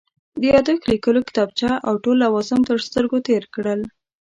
د یادښت لیکلو کتابچې او ټول لوازم تر سترګو تېر کړل.